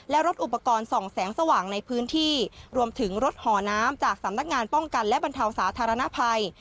และรถอุปกรณ์ส่องแสงสว่างในพื้นที่รวมถึงรถห่อน้ำจากสำนักงานป้องกันและบรรเทาสาธารณภัย